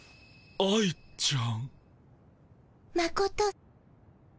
愛ちゃん。